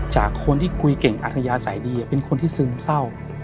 จากคนที่คุยเก่งอัธยาศัยดีเป็นคนที่ซึมเศร้า